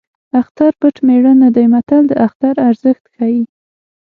اختر پټ مېړه نه دی متل د اختر ارزښت ښيي